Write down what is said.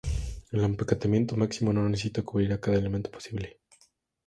El empaquetamiento máximo no necesita cubrir a cada elemento posible.